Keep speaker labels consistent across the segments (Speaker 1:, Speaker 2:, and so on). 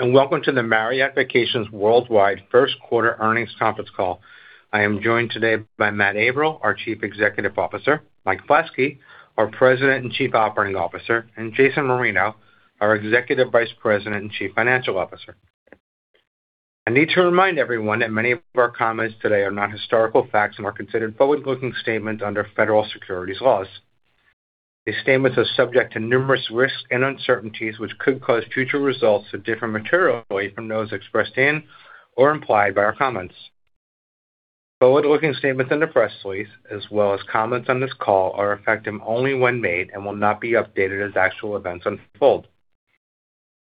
Speaker 1: Welcome to the Marriott Vacations Worldwide Q1 Earnings Conference Call. I am joined today by Matt Avril, our Chief Executive Officer, Mike Flaskey, our President and Chief Operating Officer, and Jason Marino, our Executive Vice President and Chief Financial Officer. I need to remind everyone that many of our comments today are not historical facts and are considered forward-looking statements under federal securities laws. These statements are subject to numerous risks and uncertainties, which could cause future results to differ materially from those expressed in or implied by our comments. Forward-looking statements in the press release, as well as comments on this call, are effective only when made and will not be updated as actual events unfold.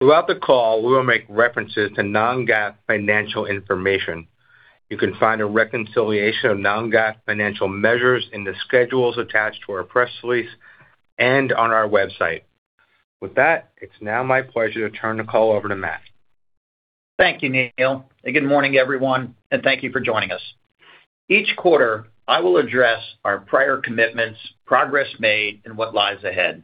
Speaker 1: Throughout the call, we will make references to non-GAAP financial information. You can find a reconciliation of non-GAAP financial measures in the schedules attached to our press release and on our website. With that, it's now my pleasure to turn the call over to Matt.
Speaker 2: Thank you, Neal. Good morning, everyone, and thank you for joining us. Each quarter, I will address our prior commitments, progress made, and what lies ahead.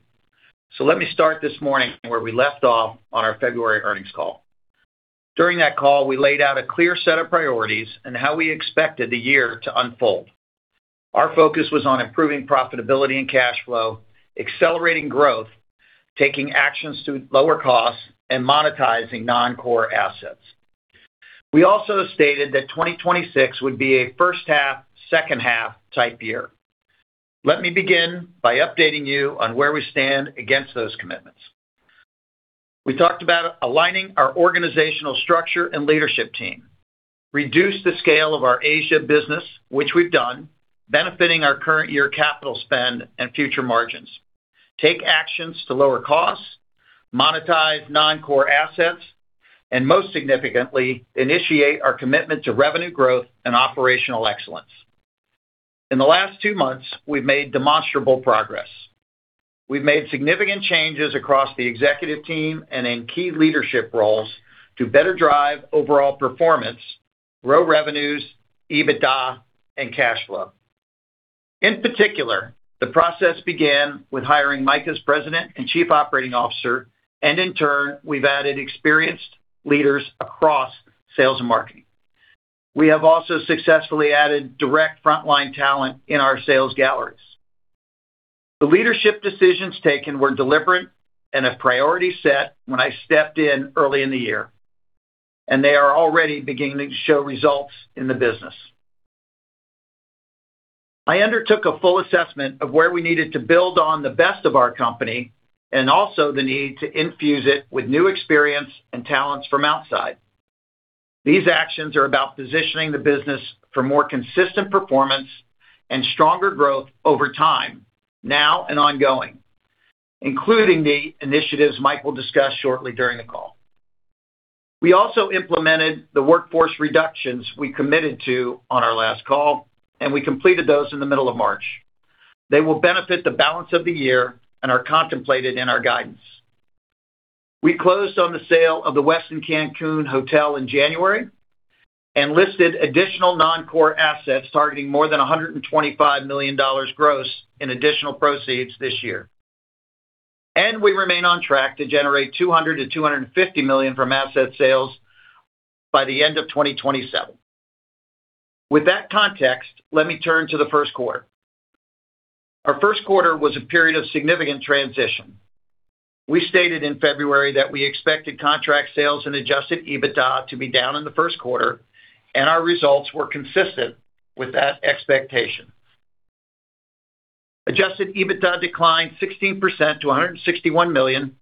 Speaker 2: Let me start this morning where we left off on our February earnings call. During that call, we laid out a clear set of priorities and how we expected the year to unfold. Our focus was on improving profitability and cash flow, accelerating growth, taking actions to lower costs, and monetizing non-core assets. We also stated that 2026 would be a first half, second half type year. Let me begin by updating you on where we stand against those commitments. We talked about aligning our organizational structure and leadership team, reduce the scale of our Asia business, which we've done, benefiting our current year capital spend and future margins. Take actions to lower costs, monetize non-core assets, and most significantly, initiate our commitment to revenue growth and operational excellence. In the last two months, we've made demonstrable progress. We've made significant changes across the executive team and in key leadership roles to better drive overall performance, grow revenues, EBITDA, and cash flow. In particular, the process began with hiring Mike as President and Chief Operating Officer. In turn, we've added experienced leaders across sales and marketing. We have also successfully added direct frontline talent in our sales galleries. The leadership decisions taken were deliberate and a priority set when I stepped in early in the year. They are already beginning to show results in the business. I undertook a full assessment of where we needed to build on the best of our company and also the need to infuse it with new experience and talents from outside. These actions are about positioning the business for more consistent performance and stronger growth over time, now and ongoing, including the initiatives Mike will discuss shortly during the call. We also implemented the workforce reductions we committed to on our last call, and we completed those in the middle of March. They will benefit the balance of the year and are contemplated in our guidance. We closed on the sale of the Westin Cancun hotel in January and listed additional non-core assets targeting more than $125 million gross in additional proceeds this year. We remain on track to generate $200 million-$250 million from asset sales by the end of 2027. With that context, let me turn to the Q1. Our Q1 was a period of significant transition. We stated in February that we expected contract sales and adjusted EBITDA to be down in the Q1. Our results were consistent with that expectation. Adjusted EBITDA declined 16% to $161 million.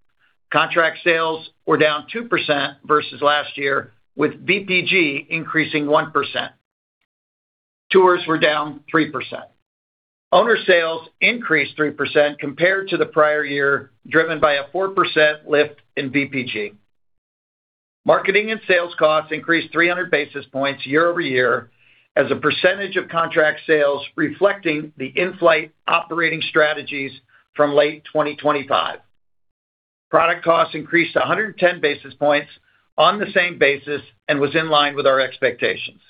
Speaker 2: Contract sales were down 2% versus last year, with VPG increasing 1%. Tours were down 3%. Owner sales increased 3% compared to the prior year, driven by a 4% lift in VPG. Marketing and sales costs increased 300 basis points year-over-year as a percentage of contract sales reflecting the in-flight operating strategies from late 2025. Product costs increased 110 basis points on the same basis and was in line with our expectations.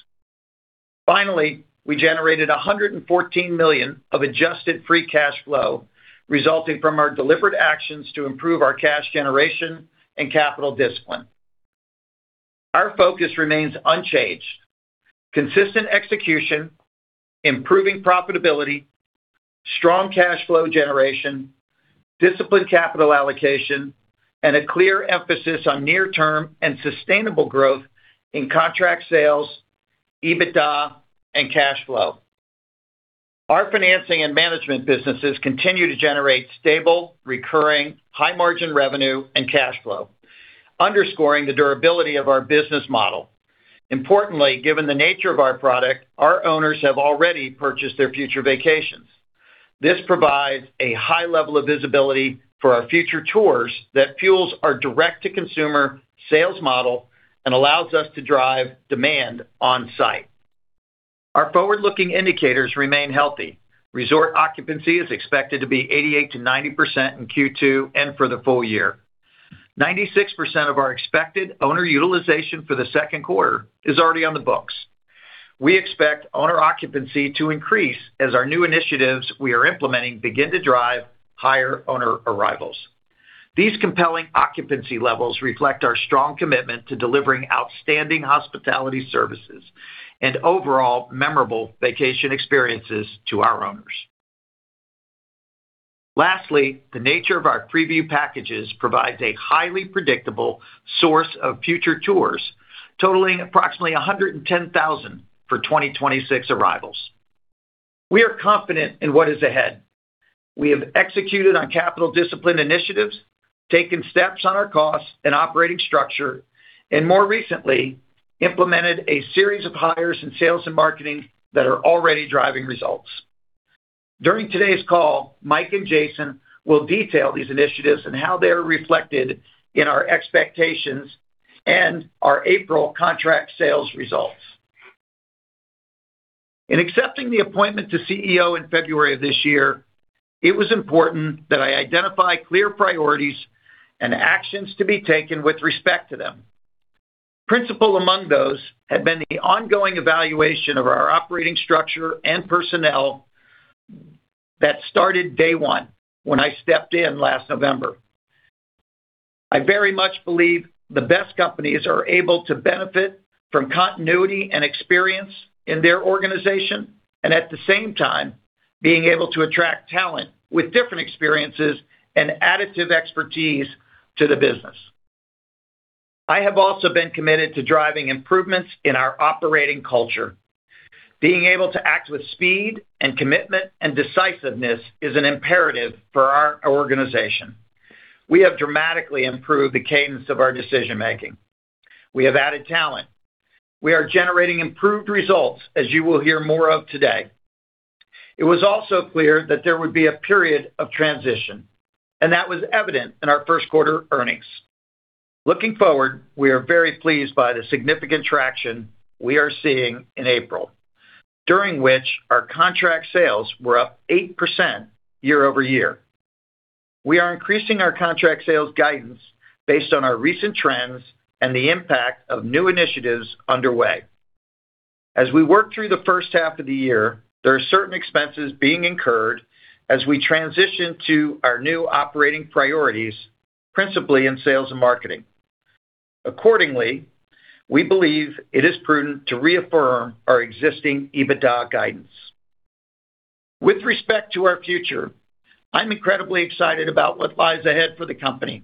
Speaker 2: Finally, we generated $114 million of adjusted free cash flow, resulting from our deliberate actions to improve our cash generation and capital discipline. Our focus remains unchanged. Consistent execution, improving profitability, strong cash flow generation, disciplined capital allocation, and a clear emphasis on near term and sustainable growth in contract sales, EBITDA, and cash flow. Our financing and management businesses continue to generate stable, recurring, high margin revenue and cash flow, underscoring the durability of our business model. Importantly, given the nature of our product, our owners have already purchased their future vacations. This provides a high level of visibility for our future tours that fuels our direct-to-consumer sales model and allows us to drive demand on site. Our forward-looking indicators remain healthy. Resort occupancy is expected to be 88%-90% in Q2 and for the full year. 96% of our expected owner utilization for the Q2 is already on the books. We expect owner occupancy to increase as our new initiatives we are implementing begin to drive higher owner arrivals. These compelling occupancy levels reflect our strong commitment to delivering outstanding hospitality services and overall memorable vacation experiences to our owners. Lastly, the nature of our preview packages provides a highly predictable source of future tours totaling approximately 110,000 for 2026 arrivals. We are confident in what is ahead. We have executed on capital discipline initiatives, taken steps on our costs and operating structure, and more recently, implemented a series of hires in sales and marketing that are already driving results. During today's call, Mike and Jason will detail these initiatives and how they are reflected in our expectations and our April contract sales results. In accepting the appointment to CEO in February of this year, it was important that I identify clear priorities and actions to be taken with respect to them. Principal among those have been the ongoing evaluation of our operating structure and personnel that started day 1 when I stepped in last November. I very much believe the best companies are able to benefit from continuity and experience in their organization and at the same time, being able to attract talent with different experiences and additive expertise to the business. I have also been committed to driving improvements in our operating culture. Being able to act with speed and commitment and decisiveness is an imperative for our organization. We have dramatically improved the cadence of our decision-making. We have added talent. We are generating improved results, as you will hear more of today. It was also clear that there would be a period of transition, and that was evident in our Q1 earnings. Looking forward, we are very pleased by the significant traction we are seeing in April, during which our contract sales were up 8% year-over-year. We are increasing our contract sales guidance based on our recent trends and the impact of new initiatives underway. As we work through the first half of the year, there are certain expenses being incurred as we transition to our new operating priorities, principally in sales and marketing. Accordingly, we believe it is prudent to reaffirm our existing EBITDA guidance. With respect to our future, I'm incredibly excited about what lies ahead for the company.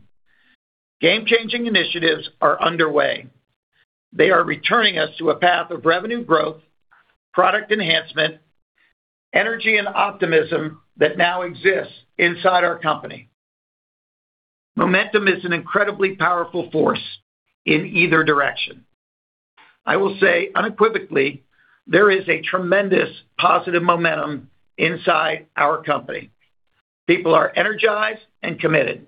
Speaker 2: Game-changing initiatives are underway. They are returning us to a path of revenue growth, product enhancement, energy and optimism that now exists inside our company. Momentum is an incredibly powerful force in either direction. I will say unequivocally, there is a tremendous positive momentum inside our company. People are energized and committed.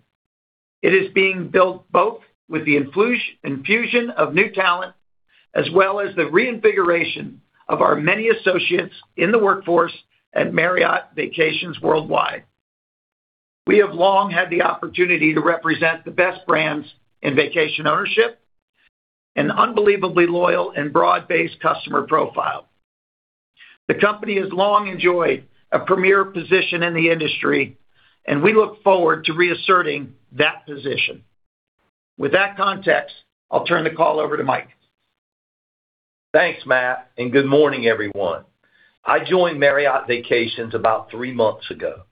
Speaker 2: It is being built both with the infusion of new talent as well as the reinvigoration of our many associates in the workforce at Marriott Vacations Worldwide. We have long had the opportunity to represent the best brands in vacation ownership and unbelievably loyal and broad-based customer profile. The company has long enjoyed a premier position in the industry, and we look forward to reasserting that position. With that context, I'll turn the call over to Mike.
Speaker 3: Thanks, Matt. Good morning, everyone. I joined Marriott Vacations about 3 months ago.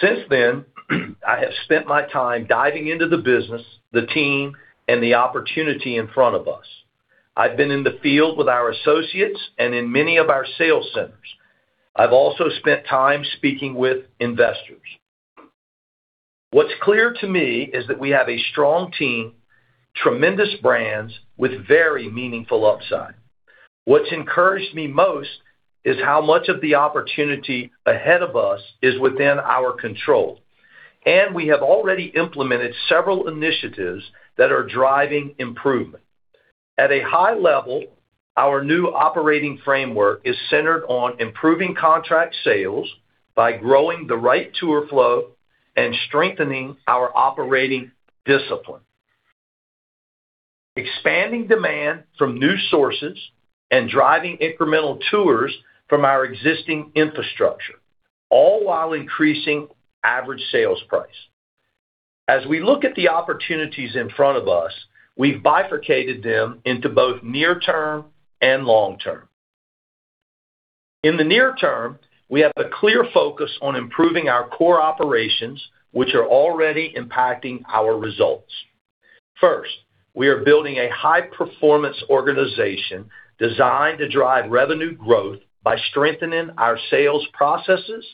Speaker 3: Since then, I have spent my time diving into the business, the team, and the opportunity in front of us. I've been in the field with our associates and in many of our sales centers. I've also spent time speaking with investors. What's clear to me is that we have a strong team, tremendous brands with very meaningful upside. What's encouraged me most is how much of the opportunity ahead of us is within our control. We have already implemented several initiatives that are driving improvement. At a high level, our new operating framework is centered on improving contract sales by growing the right tour flow and strengthening our operating discipline. Expanding demand from new sources and driving incremental tours from our existing infrastructure, all while increasing average sales price. As we look at the opportunities in front of us, we've bifurcated them into both near term and long term. In the near term, we have a clear focus on improving our core operations, which are already impacting our results. First, we are building a high-performance organization designed to drive revenue growth by strengthening our sales processes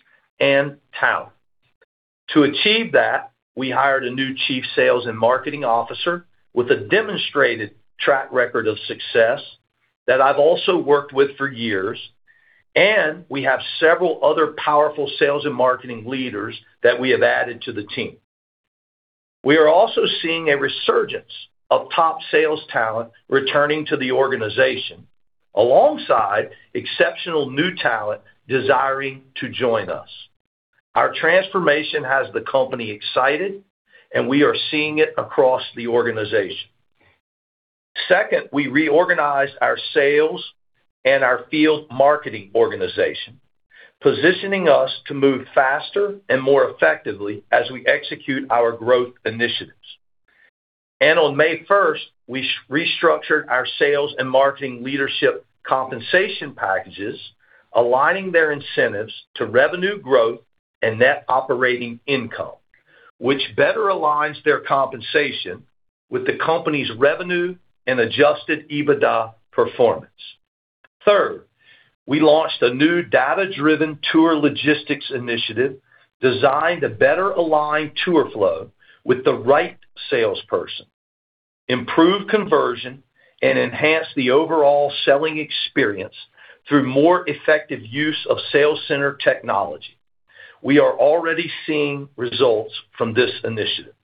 Speaker 3: and talent. To achieve that, we hired a new Chief Sales and Marketing Officer with a demonstrated track record of success that I've also worked with for years, and we have several other powerful sales and marketing leaders that we have added to the team. We are also seeing a resurgence of top sales talent returning to the organization alongside exceptional new talent desiring to join us. Our transformation has the company excited, and we are seeing it across the organization. Second, we reorganized our sales and our field marketing organization, positioning us to move faster and more effectively as we execute our growth initiatives. On May 1st, we restructured our sales and marketing leadership compensation packages, aligning their incentives to revenue growth and net operating income, which better aligns their compensation with the company's revenue and adjusted EBITDA performance. Third, we launched a new data-driven tour logistics initiative designed to better align tour flow with the right salesperson, improve conversion, and enhance the overall selling experience through more effective use of sales center technology. We are already seeing results from this initiative.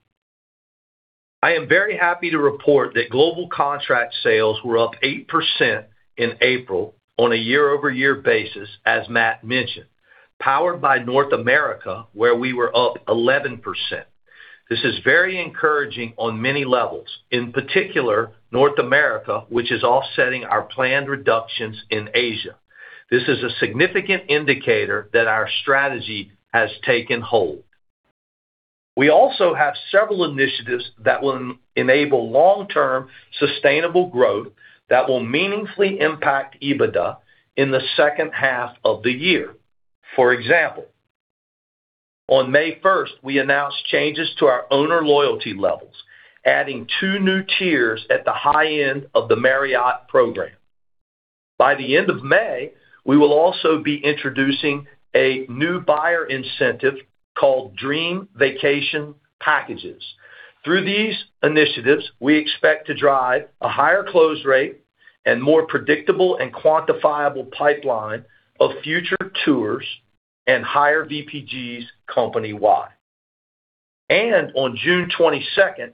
Speaker 3: I am very happy to report that global contract sales were up 8% in April on a year-over-year basis, as Matt mentioned, powered by North America, where we were up 11%. This is very encouraging on many levels, in particular North America, which is offsetting our planned reductions in Asia. This is a significant indicator that our strategy has taken hold. We also have several initiatives that will enable long-term sustainable growth that will meaningfully impact EBITDA in the second half of the year. For example, on May 1st, we announced changes to our owner loyalty levels, adding two new tiers at the high end of the Marriott program. By the end of May, we will also be introducing a new buyer incentive called Dream Vacation Packages. Through these initiatives, we expect to drive a higher close rate and more predictable and quantifiable pipeline of future tours and higher VPGs company-wide. On June 22nd,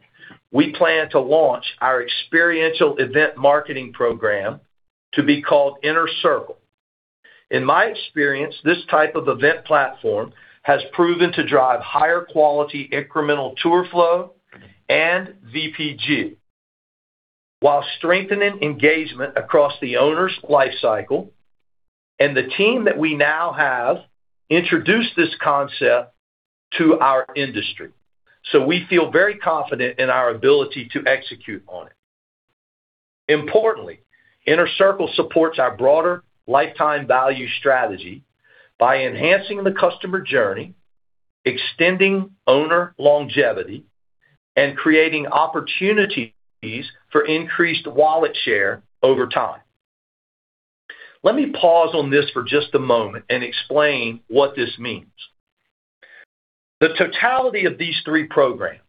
Speaker 3: we plan to launch our experiential event marketing program to be called Inner Circle. In my experience, this type of event platform has proven to drive higher quality incremental tour flow and VPG while strengthening engagement across the owner's life cycle. The team that we now have introduced this concept to our industry, so we feel very confident in our ability to execute on it. Importantly, Inner Circle supports our broader lifetime value strategy by enhancing the customer journey, extending owner longevity, and creating opportunities for increased wallet share over time. Let me pause on this for just a moment and explain what this means. The totality of these 3 programs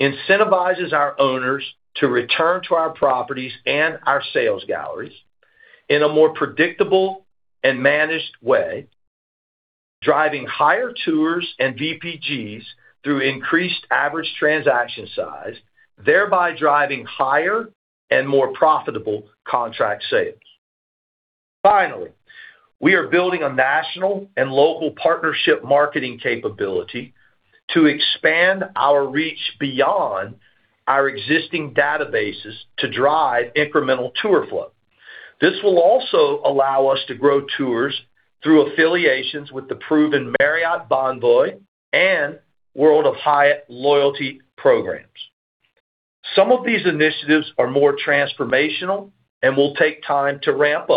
Speaker 3: incentivizes our owners to return to our properties and our sales galleries in a more predictable and managed way, driving higher tours and VPGs through increased average transaction size, thereby driving higher and more profitable contract sales. Finally, we are building a national and local partnership marketing capability to expand our reach beyond our existing databases to drive incremental tour flow. This will also allow us to grow tours through affiliations with the proven Marriott Bonvoy and World of Hyatt loyalty programs. Some of these initiatives are more transformational and will take time to ramp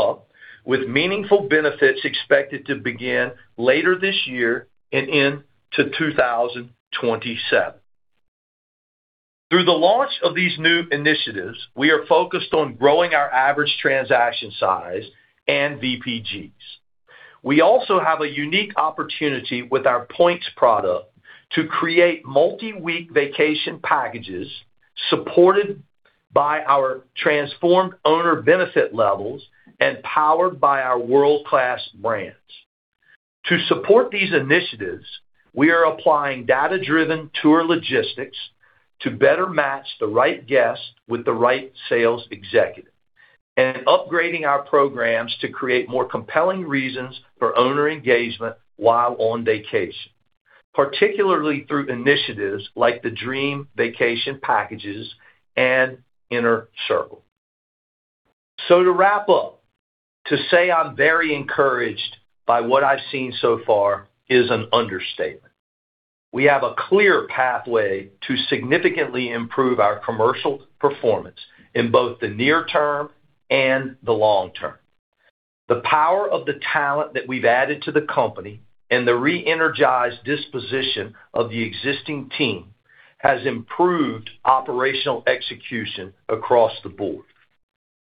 Speaker 3: up, with meaningful benefits expected to begin later this year and into 2027. Through the launch of these new initiatives, we are focused on growing our average transaction size and VPGs. We also have a unique opportunity with our points product to create multi-week vacation packages supported by our transformed owner benefit levels and powered by our world-class brands. To support these initiatives, we are applying data-driven tour logistics to better match the right guest with the right sales executive and upgrading our programs to create more compelling reasons for owner engagement while on vacation, particularly through initiatives like the Dream Vacation Packages and Inner Circle. To wrap up, to say I'm very encouraged by what I've seen so far is an understatement. We have a clear pathway to significantly improve our commercial performance in both the near term and the long term. The power of the talent that we've added to the company and the re-energized disposition of the existing team has improved operational execution across the board.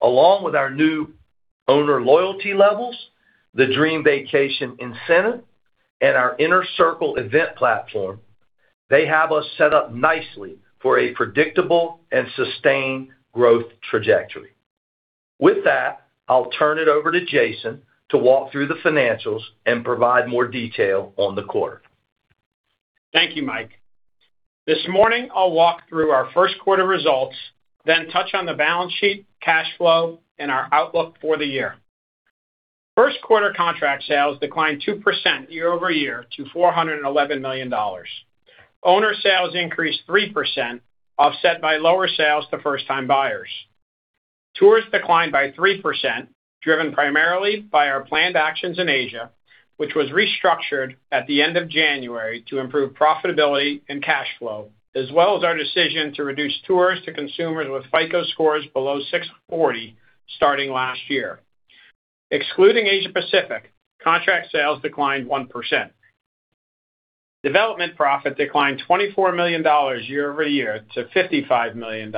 Speaker 3: Along with our new owner loyalty levels, the Dream Vacation incentive, and our Inner Circle event platform, they have us set up nicely for a predictable and sustained growth trajectory. With that, I'll turn it over to Jason to walk through the financials and provide more detail on the quarter.
Speaker 4: Thank you, Mike. This morning, I'll walk through our Q1 results, then touch on the balance sheet, cash flow, and our outlook for the year. Q1 contract sales declined 2% year-over-year to $411 million. Owner sales increased 3%, offset by lower sales to first-time buyers. Tours declined by 3%, driven primarily by our planned actions in Asia, which was restructured at the end of January to improve profitability and cash flow, as well as our decision to reduce tours to consumers with FICO scores below 640 starting last year. Excluding Asia-Pacific, contract sales declined 1%. Development profit declined $24 million year-over-year to $55 million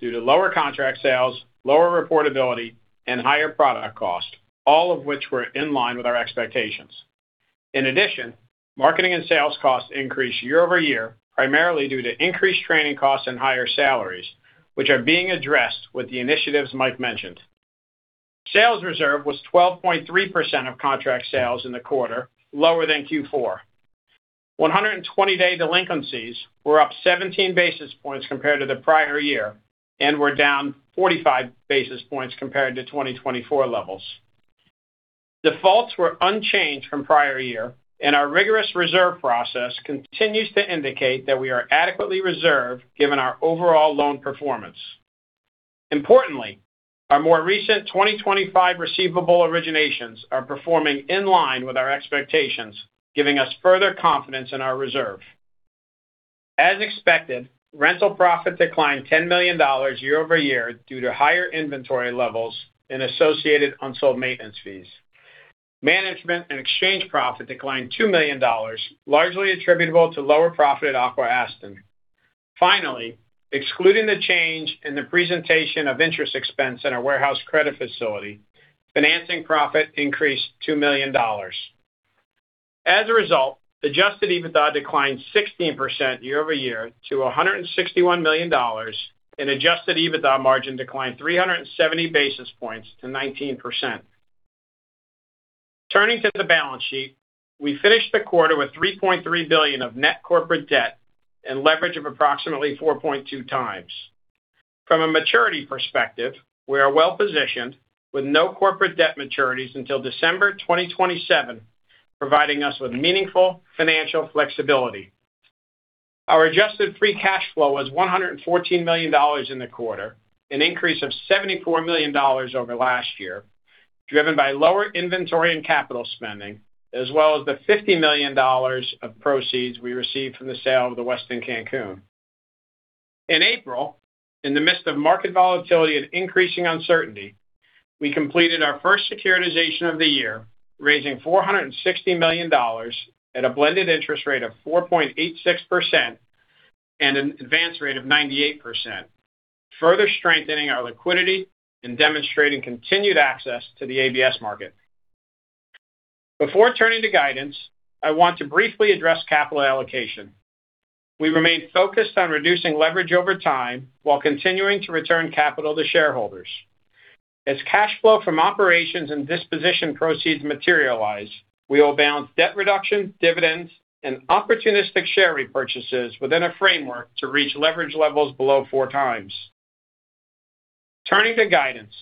Speaker 4: due to lower contract sales, lower reportability, and higher product cost, all of which were in line with our expectations. In addition, marketing and sales costs increased year-over-year, primarily due to increased training costs and higher salaries, which are being addressed with the initiatives Mike mentioned. Sales reserve was 12.3% of contract sales in the quarter, lower than Q4. 120-day delinquencies were up 17 basis points compared to the prior year and were down 45 basis points compared to 2024 levels. Defaults were unchanged from prior year, our rigorous reserve process continues to indicate that we are adequately reserved given our overall loan performance. Importantly, our more recent 2025 receivable originations are performing in line with our expectations, giving us further confidence in our reserve. As expected, rental profit declined $10 million year-over-year due to higher inventory levels and associated unsold maintenance fees. Management and exchange profit declined $2 million, largely attributable to lower profit at Aqua-Aston Hospitality. Excluding the change in the presentation of interest expense in our warehouse credit facility, financing profit increased $2 million. Adjusted EBITDA declined 16% year-over-year to $161 million, and adjusted EBITDA margin declined 370 basis points to 19%. Turning to the balance sheet, we finished the quarter with $3.3 billion of net corporate debt and leverage of approximately 4.2x. From a maturity perspective, we are well-positioned with no corporate debt maturities until December 2027, providing us with meaningful financial flexibility. Our adjusted free cash flow was $114 million in the quarter, an increase of $74 million over last year, driven by lower inventory and capital spending, as well as the $50 million of proceeds we received from the sale of the Westin Cancun. In April, in the midst of market volatility and increasing uncertainty, we completed our first securitization of the year, raising $460 million at a blended interest rate of 4.86% and an advance rate of 98%, further strengthening our liquidity and demonstrating continued access to the ABS market. Before turning to guidance, I want to briefly address capital allocation. We remain focused on reducing leverage over time while continuing to return capital to shareholders. As cash flow from operations and disposition proceeds materialize, we will balance debt reduction, dividends, and opportunistic share repurchases within a framework to reach leverage levels below 4x. Turning to guidance,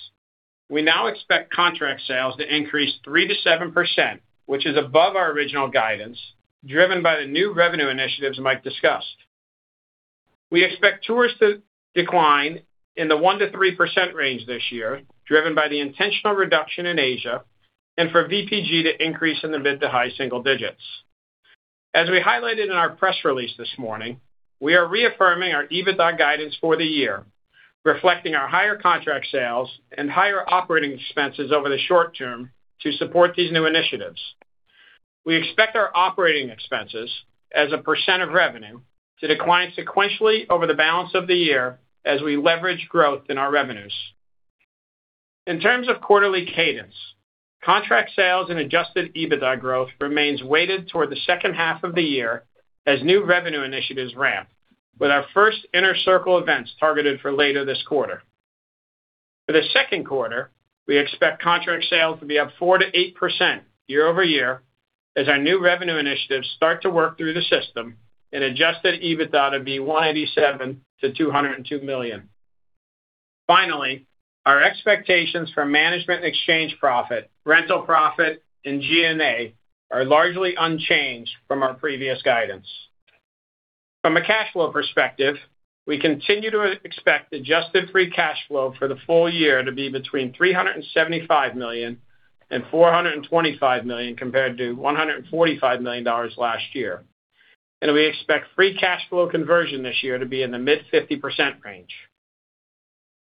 Speaker 4: we now expect contract sales to increase 3%-7%, which is above our original guidance, driven by the new revenue initiatives Mike discussed. We expect tours to decline in the 1%-3% range this year, driven by the intentional reduction in Asia, and for VPG to increase in the mid to high single digits. As we highlighted in our press release this morning, we are reaffirming our EBITDA guidance for the year, reflecting our higher contract sales and higher operating expenses over the short term to support these new initiatives. We expect our operating expenses as a % of revenue to decline sequentially over the balance of the year as we leverage growth in our revenues. In terms of quarterly cadence, contract sales and adjusted EBITDA growth remains weighted toward the second half of the year as new revenue initiatives ramp, with our first Inner Circle events targeted for later this quarter. For the Q2, we expect contract sales to be up 4%-8% year-over-year as our new revenue initiatives start to work through the system and adjusted EBITDA to be $187 million-$202 million. Finally, our expectations for management and exchange profit, rental profit, and G&A are largely unchanged from our previous guidance. From a cash flow perspective, we continue to expect adjusted free cash flow for the full year to be between $375 million and $425 million compared to $145 million last year. We expect free cash flow conversion this year to be in the mid 50% range.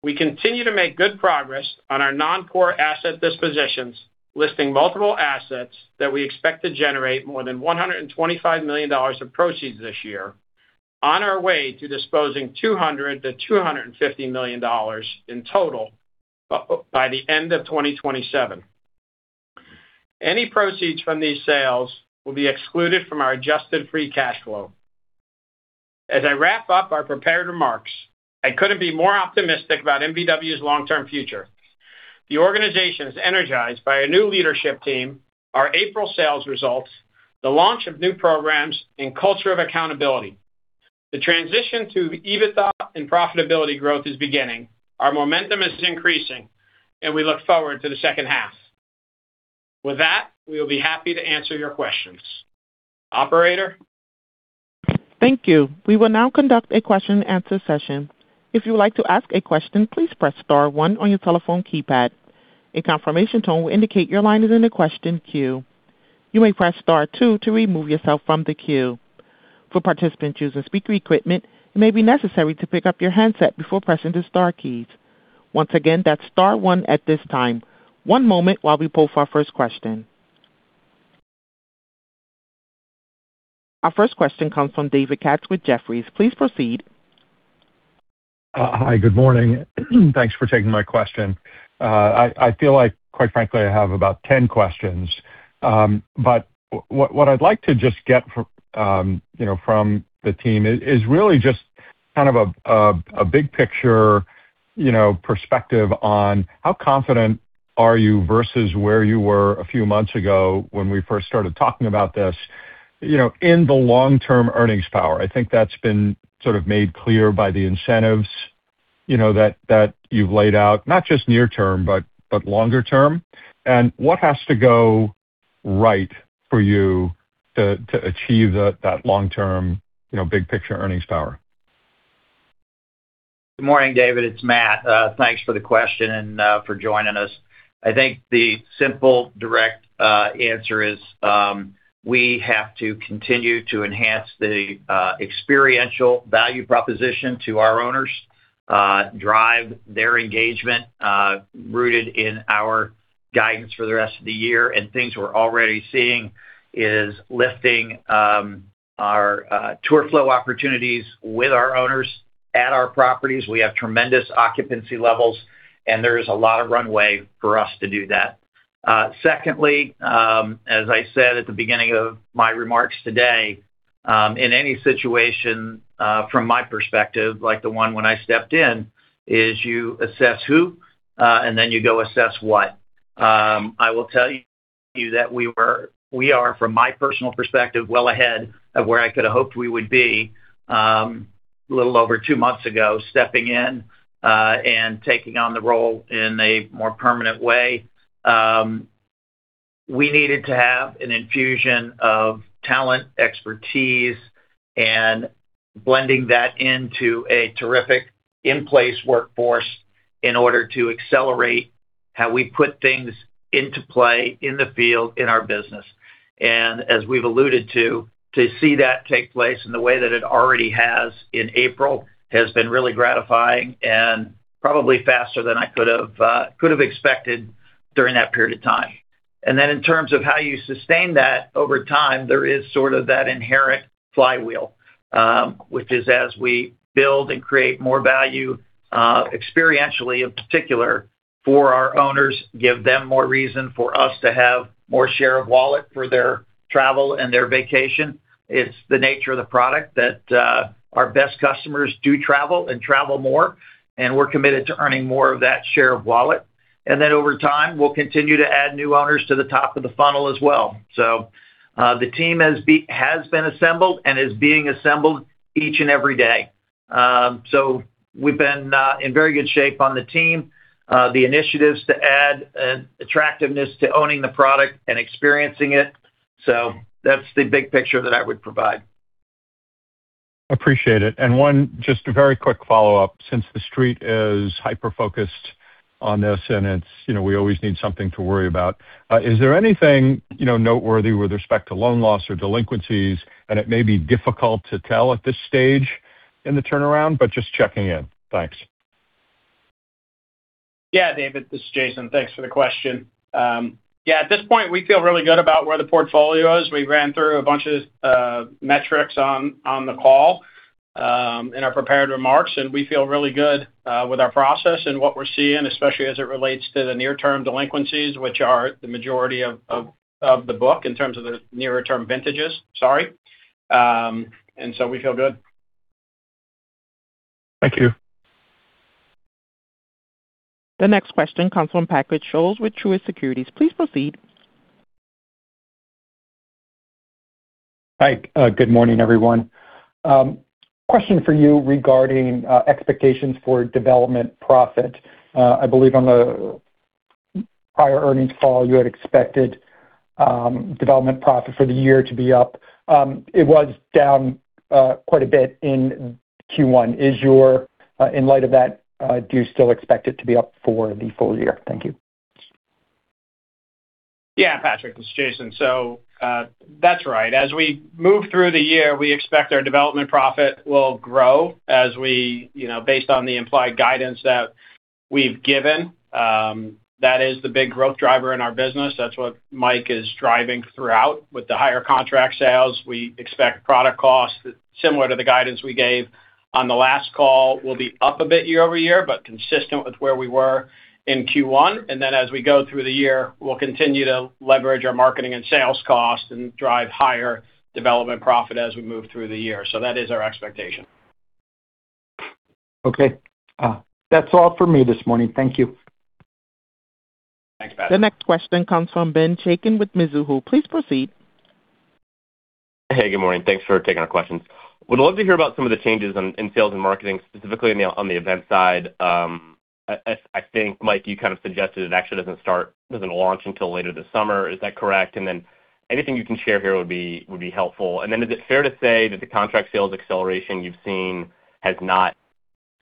Speaker 4: We continue to make good progress on our non-core asset dispositions, listing multiple assets that we expect to generate more than $125 million of proceeds this year on our way to disposing $200 million-$250 million in total by the end of 2027. Any proceeds from these sales will be excluded from our adjusted free cash flow. As I wrap up our prepared remarks, I couldn't be more optimistic about MVW's long-term future. The organization is energized by a new leadership team, our April sales results, the launch of new programs, and culture of accountability. The transition to EBITDA and profitability growth is beginning. Our momentum is increasing, and we look forward to the second half. With that, we will be happy to answer your questions. Operator?
Speaker 5: Thank you. Our first question comes from David Katz with Jefferies. Please proceed.
Speaker 6: Hi, good morning. Thanks for taking my question. I feel like, quite frankly, I have about 10 questions. But what I'd like to just get from, you know, from the team is really just kind of a, a big picture, you know, perspective on how confident are you versus where you were a few months ago when we first started talking about this, you know, in the long-term earnings power. I think that's been sort of made clear by the incentives, you know, that you've laid out, not just near term, but longer term. What has to go right for you to achieve that long term, you know, big picture earnings power?
Speaker 2: Good morning, David. It's Matt. Thanks for the question and for joining us. I think the simple, direct answer is, we have to continue to enhance the experiential value proposition to our owners, drive their engagement, rooted in our guidance for the rest of the year. Things we're already seeing is lifting our tour flow opportunities with our owners at our properties. We have tremendous occupancy levels, and there is a lot of runway for us to do that. Secondly, as I said at the beginning of my remarks today, in any situation, from my perspective, like the one when I stepped in, is you assess who, and then you go assess what. I will tell you that we are, from my personal perspective, well ahead of where I could have hoped we would be, a little over two months ago, stepping in and taking on the role in a more permanent way. We needed to have an infusion of talent, expertise, and blending that into a terrific in-place workforce in order to accelerate how we put things into play in the field in our business. As we've alluded to see that take place in the way that it already has in April has been really gratifying and probably faster than I could have expected during that period of time. In terms of how you sustain that over time, there is sort of that inherent flywheel, which is as we build and create more value, experientially in particular for our owners, give them more reason for us to have more share of wallet for their travel and their vacation. It's the nature of the product that our best customers do travel and travel more, and we're committed to earning more of that share of wallet. Over time, we'll continue to add new owners to the top of the funnel as well. The team has been assembled and is being assembled each and every day. So we've been in very good shape on the team. The initiatives to add attractiveness to owning the product and experiencing it. That's the big picture that I would provide.
Speaker 6: Appreciate it. One, just a very quick follow-up. Since the street is hyper-focused on this and it's, you know, we always need something to worry about, is there anything, you know, noteworthy with respect to loan loss or delinquencies? It may be difficult to tell at this stage in the turnaround, but just checking in. Thanks.
Speaker 4: Yeah, David, this is Jason. Thanks for the question. Yeah, at this point, we feel really good about where the portfolio is. We ran through a bunch of metrics on the call in our prepared remarks. We feel really good with our process and what we're seeing, especially as it relates to the near-term delinquencies, which are the majority of the book in terms of the nearer term vintages. Sorry. We feel good.
Speaker 6: Thank you.
Speaker 5: The next question comes from Patrick Scholes with Truist Securities. Please proceed.
Speaker 7: Hi. Good morning, everyone. Question for you regarding expectations for development profit. I believe on the prior earnings call, you had expected development profit for the year to be up. It was down quite a bit in Q1. In light of that, do you still expect it to be up for the full year? Thank you.
Speaker 4: Yeah, Patrick, this is Jason. That's right. As we move through the year, we expect our development profit will grow as we, you know, based on the implied guidance that we've given. That is the big growth driver in our business. That's what Mike is driving throughout. With the higher contract sales, we expect product costs similar to the guidance we gave on the last call, will be up a bit year-over-year, but consistent with where we were in Q1. Then as we go through the year, we'll continue to leverage our marketing and sales costs and drive higher development profit as we move through the year. That is our expectation.
Speaker 7: Okay. That's all for me this morning. Thank you.
Speaker 4: Thanks, Patrick.
Speaker 5: The next question comes from Ben Chaiken with Mizuho. Please proceed.
Speaker 8: Good morning. Thanks for taking our questions. Would love to hear about some of the changes in sales and marketing, specifically on the event side. I think, Mike, you kind of suggested it actually doesn't launch until later this summer. Is that correct? Anything you can share here would be helpful. Is it fair to say that the contract sales acceleration you've seen has not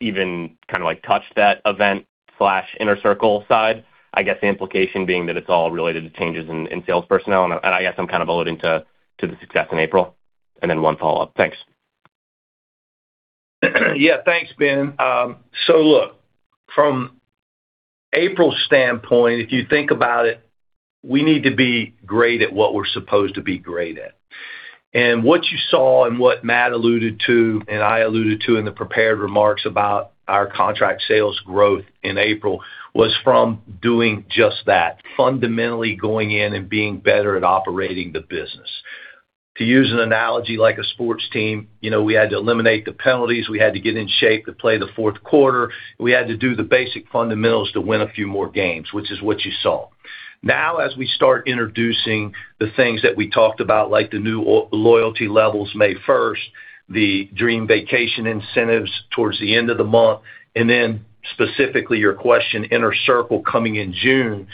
Speaker 8: even kind of like touched that event/Inner Circle side? I guess the implication being that it's all related to changes in sales personnel, and I guess I'm kind of alluding to the success in April. One follow-up. Thanks.
Speaker 3: Thanks, Ben. Look, from April's standpoint, if you think about it, we need to be great at what we're supposed to be great at. What you saw and what Matt alluded to and I alluded to in the prepared remarks about our contract sales growth in April was from doing just that, fundamentally going in and being better at operating the business. To use an analogy like a sports team, you know, we had to eliminate the penalties, we had to get in shape to play the Q4, we had to do the basic fundamentals to win a few more games, which is what you saw. As we start introducing the things that we talked about, like the new loyalty levels May 1st, the Dream Vacation Packages towards the end of the month, and then specifically your question, Inner Circle coming in June,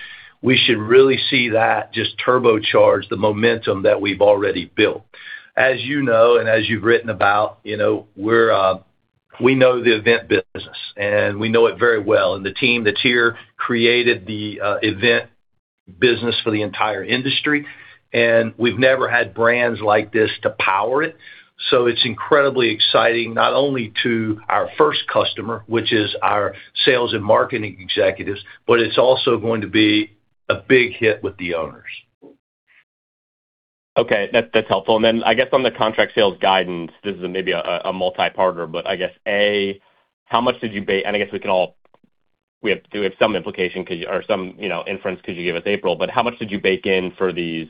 Speaker 3: we should really see that just turbocharge the momentum that we've already built. As you know, and as you've written about, you know, we're, we know the event business, and we know it very well. The team that's here created the event business for the entire industry, and we've never had brands like this to power it. It's incredibly exciting, not only to our first customer, which is our sales and marketing executives, but it's also going to be a big hit with the owners.
Speaker 8: Okay. That's, that's helpful. Then I guess on the contract sales guidance, this is maybe a multi-partner, but I guess, A, how much did you bake in, and I guess we have some implication or some, you know, inference because you gave us April, but how much did you bake in for these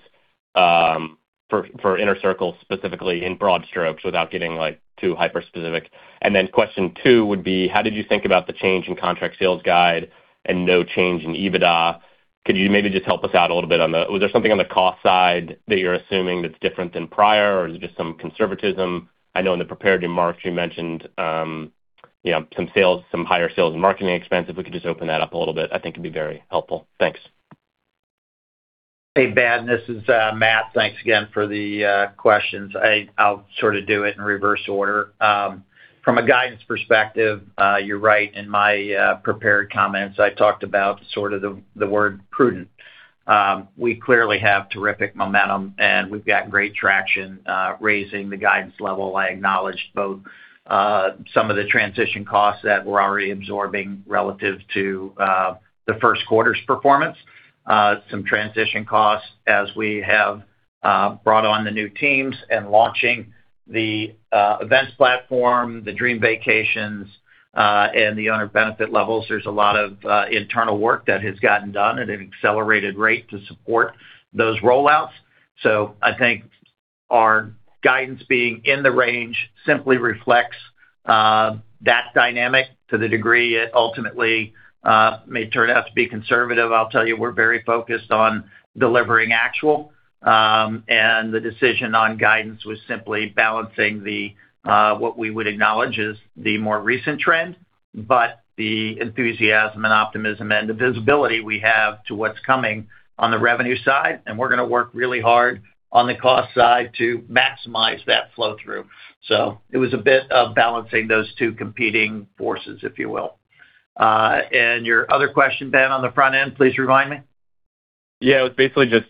Speaker 8: for Inner Circle specifically in broad strokes without getting, like, too hyper-specific? Then question two would be, how did you think about the change in contract sales guide and no change in EBITDA? Could you maybe just help us out a little bit? Was there something on the cost side that you're assuming that's different than prior, or is it just some conservatism? I know in the prepared remarks you mentioned, you know, some higher sales and marketing expenses. If we could just open that up a little bit, I think it'd be very helpful. Thanks.
Speaker 2: Hey, Ben, this is Matt. Thanks again for the questions. I'll sort of do it in reverse order. From a guidance perspective, you're right. In my prepared comments, I talked about sort of the word prudent. We clearly have terrific momentum, and we've got great traction, raising the guidance level. I acknowledged both some of the transition costs that we're already absorbing relative to the Q1's performance, some transition costs as we have brought on the new teams and launching the events platform, the dream vacations, and the owner benefit levels. There's a lot of internal work that has gotten done at an accelerated rate to support those rollouts. I think our guidance being in the range simply reflects that dynamic to the degree it ultimately may turn out to be conservative. I'll tell you, we're very focused on delivering actual, and the decision on guidance was simply balancing the what we would acknowledge as the more recent trend, but the enthusiasm and optimism and the visibility we have to what's coming on the revenue side, and we're gonna work really hard on the cost side to maximize that flow through. It was a bit of balancing those two competing forces, if you will. Your other question, Ben, on the front end, please remind me.
Speaker 8: Yeah. It was basically just.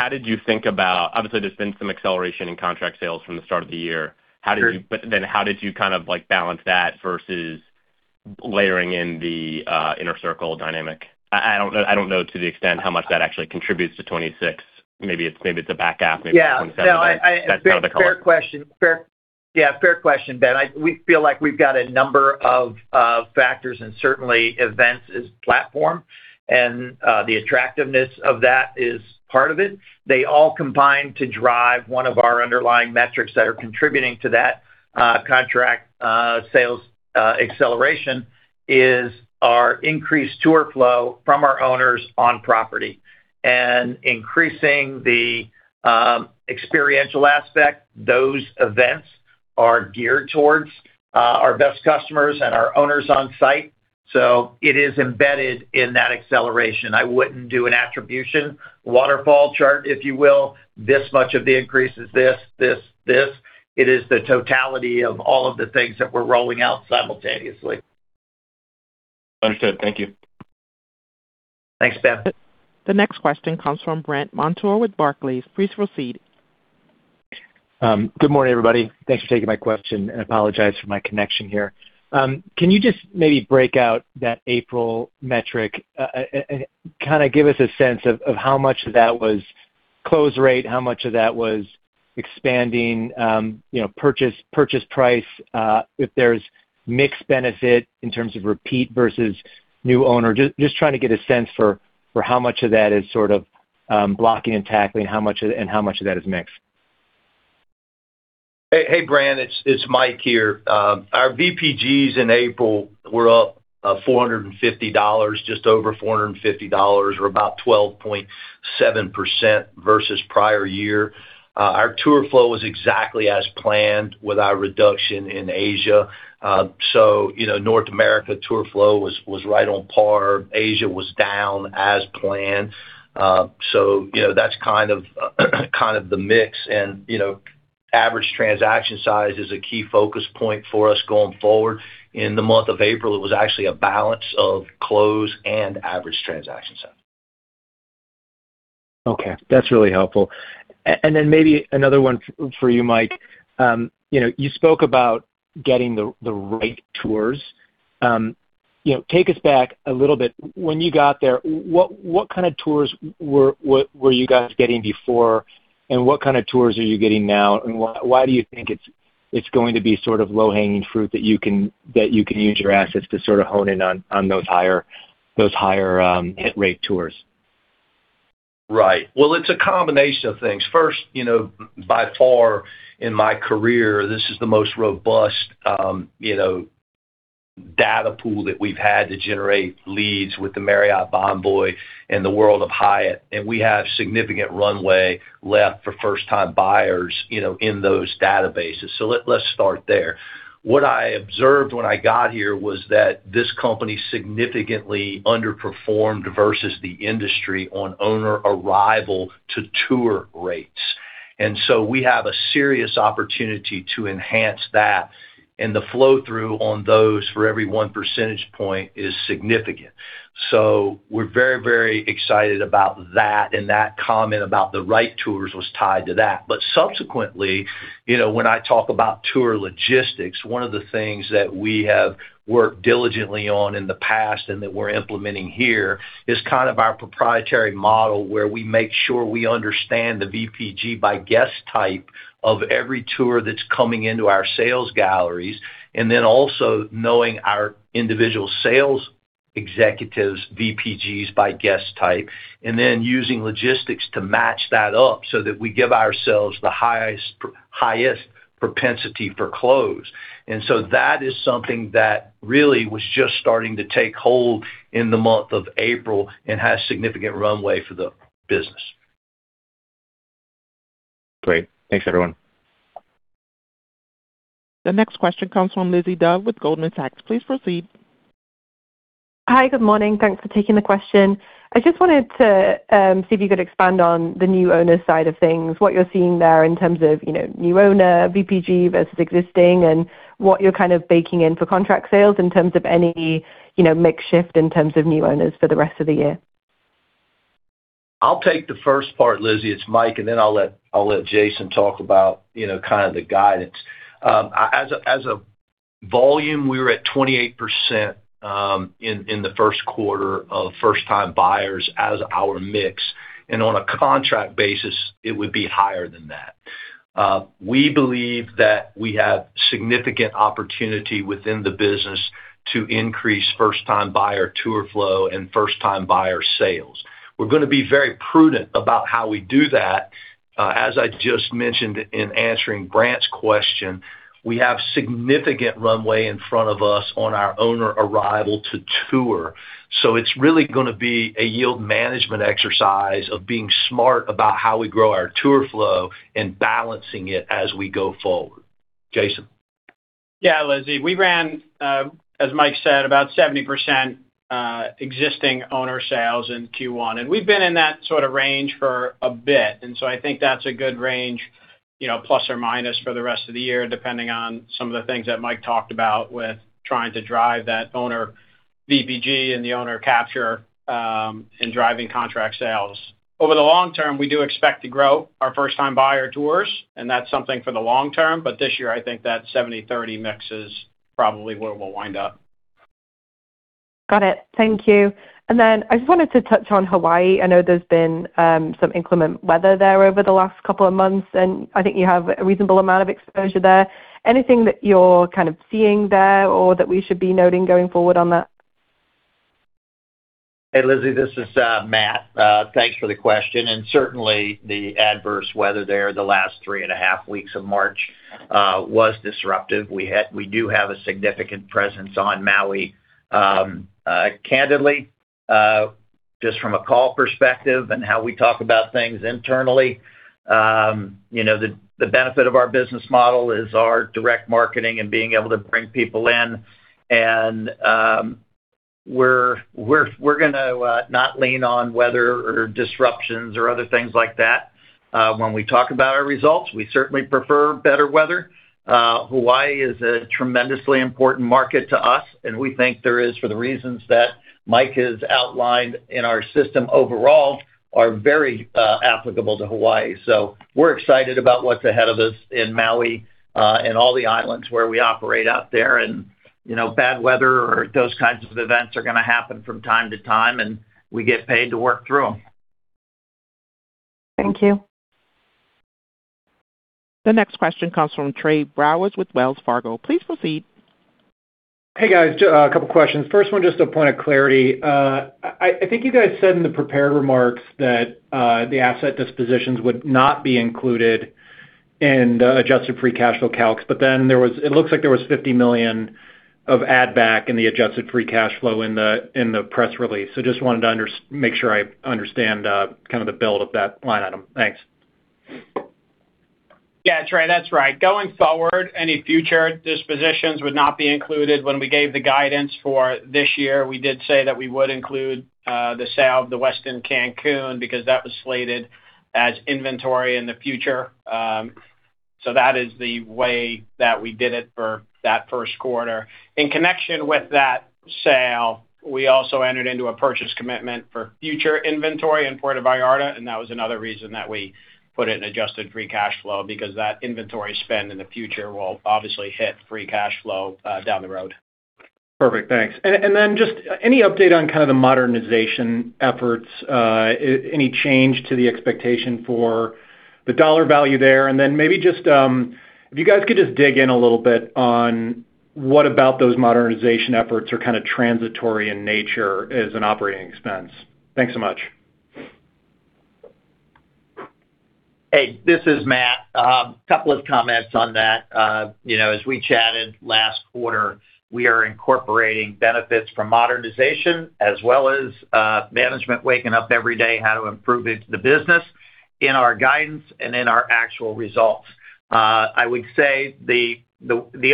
Speaker 8: Obviously, there's been some acceleration in contract sales from the start of the year. How did you kind of, like, balance that versus layering in the Inner Circle dynamic? I don't know to the extent how much that actually contributes to 2026. Maybe it's a back half.
Speaker 2: Yeah.
Speaker 8: That's kind of the color.
Speaker 2: Fair question. Yeah, fair question, Ben. We feel like we've got a number of factors, and certainly events as platform and the attractiveness of that is part of it. They all combine to drive one of our underlying metrics that are contributing to that contract sales acceleration is our increased tour flow from our owners on property. Increasing the experiential aspect, those events are geared towards our best customers and our owners on site. It is embedded in that acceleration. I wouldn't do an attribution waterfall chart, if you will. This much of the increase is this, this. It is the totality of all of the things that we're rolling out simultaneously.
Speaker 8: Understood. Thank you.
Speaker 2: Thanks, Ben.
Speaker 5: The next question comes from Brandt Montour with Barclays. Please proceed.
Speaker 9: Good morning, everybody. Thanks for taking my question, and I apologize for my connection here. Can you just maybe break out that April metric and kinda give us a sense of how much of that was close rate, how much of that was expanding, you know, purchase price, if there's mixed benefit in terms of repeat versus new owner? Just trying to get a sense for how much of that is sort of blocking and tackling, and how much of that is mixed.
Speaker 3: Hey, hey, Brandt. It's Mike here. Our VPGs in April were up $450, just over $450 or about 12.7% versus prior year. Our tour flow was exactly as planned with our reduction in Asia. You know, North America tour flow was right on par. Asia was down as planned. You know, that's kind of the mix and, you know, average transaction size is a key focus point for us going forward. In the month of April, it was actually a balance of close and average transaction size.
Speaker 9: Okay. That's really helpful. Then maybe another one for you, Mike. You know, you spoke about getting the right tours. You know, take us back a little bit. When you got there, what kind of tours were you guys getting before, and what kind of tours are you getting now? Why do you think it's going to be sort of low-hanging fruit that you can use your assets to sort of hone in on those higher hit rate tours?
Speaker 3: Right. Well, it's a combination of things. First, you know, by far in my career, this is the most robust, you know, data pool that we've had to generate leads with the Marriott Bonvoy and the World of Hyatt, and we have significant runway left for first time buyers, you know, in those databases. Let's start there. What I observed when I got here was that this company significantly underperformed versus the industry on owner arrival to tour rates. We have a serious opportunity to enhance that, and the flow-through on those for every 1 percentage point is significant. We're very, very excited about that, and that comment about the right tours was tied to that. Subsequently, you know, when I talk about tour logistics, one of the things that we have worked diligently on in the past and that we're implementing here is kind of our proprietary model where we make sure we understand the VPG by guest type of every tour that's coming into our sales galleries, and then also knowing our individual sales executives, VPGs by guest type, and then using logistics to match that up so that we give ourselves the highest propensity for close. That is something that really was just starting to take hold in the month of April and has significant runway for the business.
Speaker 9: Great. Thanks, everyone.
Speaker 5: The next question comes from Lizzie Dove with Goldman Sachs. Please proceed.
Speaker 10: Hi. Good morning. Thanks for taking the question. I just wanted to see if you could expand on the new owner side of things, what you're seeing there in terms of, you know, new owner VPG versus existing and what you're kind of baking in for contract sales in terms of any, you know, mix shift in terms of new owners for the rest of the year.
Speaker 3: I'll take the first part, Lizzie. It's Mike, and then I'll let Jason talk about, you know, kind of the guidance. As a volume, we were at 28% in the Q1 of first-time buyers as our mix, and on a contract basis, it would be higher than that. We believe that we have significant opportunity within the business to increase first-time buyer tour flow and first-time buyer sales. We're gonna be very prudent about how we do that. As I just mentioned in answering Brandt's question, we have significant runway in front of us on our owner arrival to tour. It's really gonna be a yield management exercise of being smart about how we grow our tour flow and balancing it as we go forward. Jason.
Speaker 4: Yeah, Lizzie. We ran, as Mike said, about 70% existing owner sales in Q1. We've been in that sort of range for a bit. I think that's a good range, you know, plus or minus for the rest of the year, depending on some of the things that Mike talked about with trying to drive that owner VPG and the owner capture in driving contract sales. Over the long term, we do expect to grow our first time buyer tours. That's something for the long term. This year, I think that 70-30 mix is probably where we'll wind up.
Speaker 10: Got it. Thank you. I just wanted to touch on Hawaii. I know there's been some inclement weather there over the last couple of months, and I think you have a reasonable amount of exposure there. Anything that you're kind of seeing there or that we should be noting going forward on that?
Speaker 2: Hey, Lizzie. This is Matt. Thanks for the question. Certainly the adverse weather there the last three and a half weeks of March was disruptive. We do have a significant presence on Maui. Candidly, just from a call perspective and how we talk about things internally, you know, the benefit of our business model is our direct marketing and being able to bring people in. We're gonna not lean on weather or disruptions or other things like that when we talk about our results. We certainly prefer better weather. Hawaii is a tremendously important market to us, and we think there is for the reasons that Mike has outlined in our system overall are very applicable to Hawaii. We're excited about what's ahead of us in Maui, and all the islands where we operate out there and, you know, bad weather or those kinds of events are gonna happen from time to time, and we get paid to work through them.
Speaker 10: Thank you.
Speaker 5: The next question comes from Trey Bowers with Wells Fargo. Please proceed.
Speaker 11: Hey, guys. A couple questions. First one, just a point of clarity. I think you guys said in the prepared remarks that the asset dispositions would not be included in the adjusted free cash flow calcs. It looks like there was $50 million of add-back in the adjusted free cash flow in the press release. Just wanted to make sure I understand kind of the build of that line item. Thanks.
Speaker 4: Yeah, that's right. Going forward, any future dispositions would not be included. When we gave the guidance for this year, we did say that we would include the sale of the Westin Cancun because that was slated as inventory in the future. That is the way that we did it for that Q1. In connection with that sale, we also entered into a purchase commitment for future inventory in Puerto Vallarta. That was another reason that we put it in adjusted free cash flow because that inventory spend in the future will obviously hit free cash flow down the road.
Speaker 11: Perfect. Thanks. Then just any update on kind of the modernization efforts? Any change to the expectation for the dollar value there? Then maybe just, if you guys could just dig in a little bit on what about those modernization efforts are kind of transitory in nature as an operating expense. Thanks so much.
Speaker 2: This is Matt. Couple of comments on that. You know, as we chatted last quarter, we are incorporating benefits from modernization as well as management waking up every day how to improve it to the business in our guidance and in our actual results. I would say the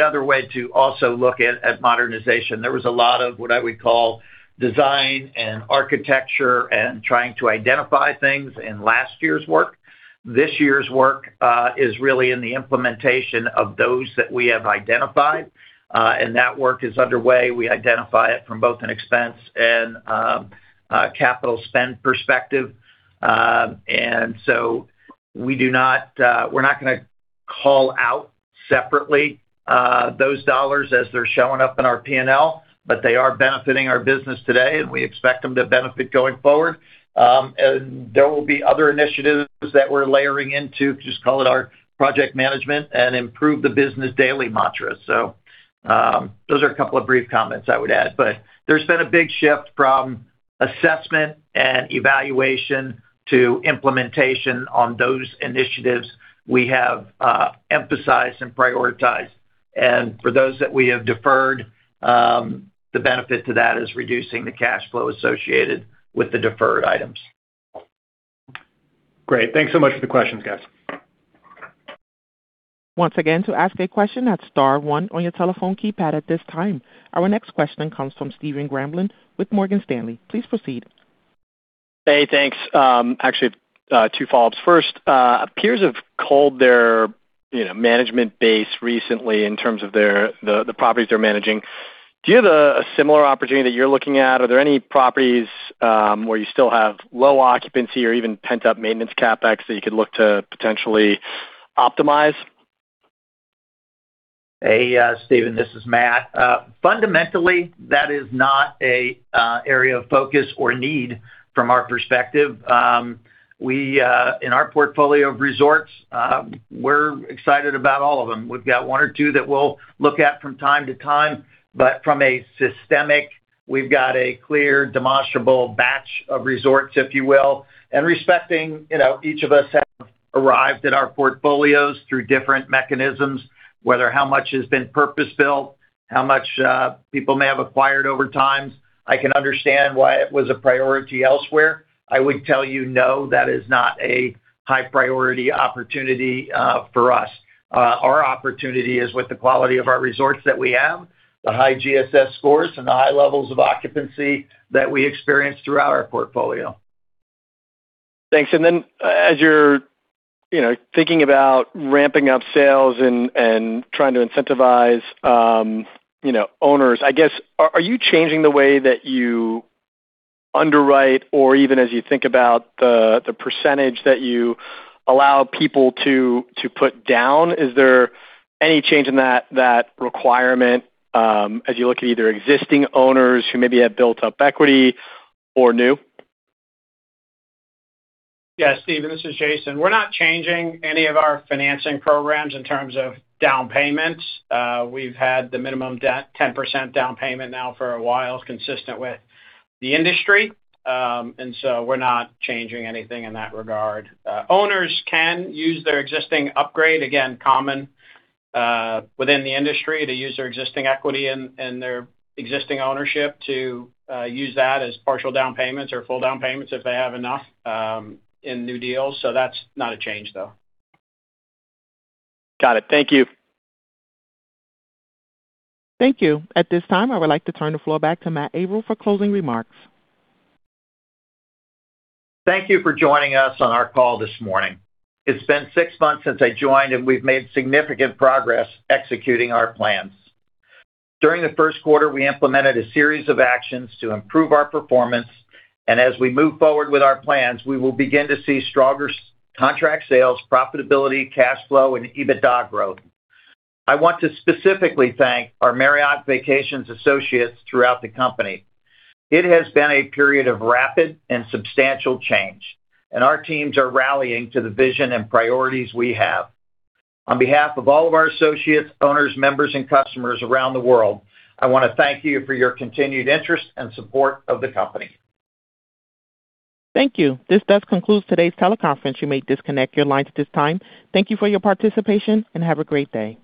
Speaker 2: other way to also look at modernization, there was a lot of what I would call design and architecture and trying to identify things in last year's work. This year's work is really in the implementation of those that we have identified, and that work is underway. We identify it from both an expense and a capital spend perspective. We're not gonna call out separately, those dollars as they're showing up in our P&L, but they are benefiting our business today, and we expect them to benefit going forward. And there will be other initiatives that we're layering into, just call it our project management and improve the business daily mantra. Those are a couple of brief comments I would add. But there's been a big shift from assessment and evaluation to implementation on those initiatives we have emphasized and prioritized. And for those that we have deferred, the benefit to that is reducing the cash flow associated with the deferred items.
Speaker 11: Great. Thanks so much for the questions, guys.
Speaker 5: Our next question comes from Stephen Grambling with Morgan Stanley. Please proceed.
Speaker 12: Hey, thanks. actually have two follow-ups. First, peers have culled their, you know, management base recently in terms of their, the properties they're managing. Do you have a similar opportunity that you're looking at? Are there any properties where you still have low occupancy or even pent-up maintenance CapEx that you could look to potentially optimize?
Speaker 2: Hey, Stephen Grambling, this is Matt Avril. Fundamentally, that is not an area of focus or need from our perspective. We, in our portfolio of resorts, we're excited about all of them. We've got one or two that we'll look at from time to time, but from a systemic, we've got a clear demonstrable batch of resorts, if you will. Respecting, you know, each of us have arrived at our portfolios through different mechanisms, whether how much has been purpose-built, how much people may have acquired over time, I can understand why it was a priority elsewhere. I would tell you no, that is not a high priority opportunity for us. Our opportunity is with the quality of our resorts that we have, the high GSS scores and the high levels of occupancy that we experience throughout our portfolio.
Speaker 12: Thanks. As you're, you know, thinking about ramping up sales and, trying to incentivize, you know, owners, I guess, are you changing the way that you underwrite or even as you think about the percentage that you allow people to put down? Is there any change in that requirement, as you look at either existing owners who maybe have built up equity or new?
Speaker 4: Stephen, this is Jason. We're not changing any of our financing programs in terms of down payments. We've had the minimum 10% down payment now for a while, consistent with the industry. We're not changing anything in that regard. Owners can use their existing upgrade, again, common within the industry, to use their existing equity and their existing ownership to use that as partial down payments or full down payments if they have enough in new deals. That's not a change, though.
Speaker 12: Got it. Thank you.
Speaker 5: Thank you. At this time, I would like to turn the floor back to Matt Avril for closing remarks.
Speaker 2: Thank you for joining us on our call this morning. It's been six months since I joined, and we've made significant progress executing our plans. During the Q1, we implemented a series of actions to improve our performance, and as we move forward with our plans, we will begin to see stronger contract sales, profitability, cash flow, and EBITDA growth. I want to specifically thank our Marriott Vacations associates throughout the company. It has been a period of rapid and substantial change, and our teams are rallying to the vision and priorities we have. On behalf of all of our associates, owners, members, and customers around the world, I wanna thank you for your continued interest and support of the company.
Speaker 5: Thank you. This does conclude today's teleconference. You may disconnect your lines at this time. Thank you for your participation, and have a great day.